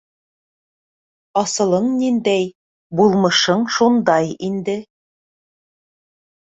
Асылың ниндәй - булмышың шундай инде.